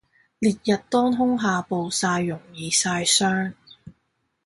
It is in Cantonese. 烈日當空下暴曬容易曬傷